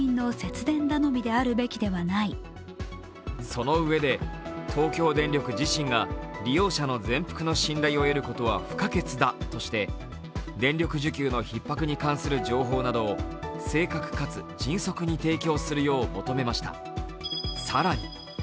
そのうえで東京電力自身が利用者の全幅の信頼を得ることは不可欠だとして、電力需給のひっ迫に関する情報などを正確かつ迅速に提供するよう求めました。